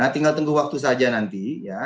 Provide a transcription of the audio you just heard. tinggal tunggu waktu saja nanti